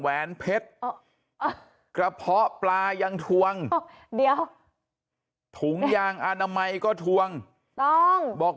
แหวนเพชรกระเพาะปลายังทวงเดี๋ยวถุงยางอนามัยก็ทวงถูกต้องบอก